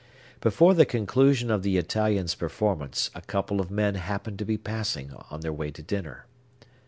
Before the conclusion of the Italian's performance, a couple of men happened to be passing, On their way to dinner.